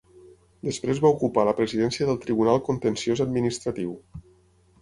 Després va ocupar la presidència del Tribunal Contenciós Administratiu.